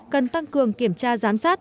cần tăng cường kiểm tra giám sát